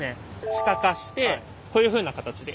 地下化してこういうふうな形で。